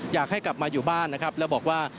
อยากให้กลับมาอยู่บ้านนะครับแล้วบอกว่า